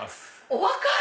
お若い！